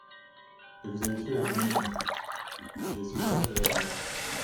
Et vous avez fait la commission ?… J'ai essayé de la faire, du moins.